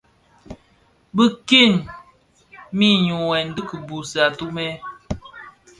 Bi kilmi nhyughèn dhi kibuusi atumè.